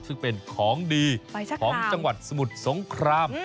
ซึ่งเป็นของดีของจังหวัดสมุทรสงคราม